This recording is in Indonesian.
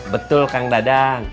betul kang dadeng